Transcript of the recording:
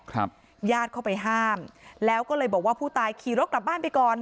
ครับญาติเข้าไปห้ามแล้วก็เลยบอกว่าผู้ตายขี่รถกลับบ้านไปก่อน